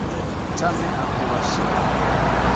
Thame akawoshita